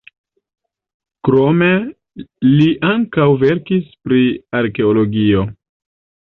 Krome li ankaŭ verkis pri arkeologio.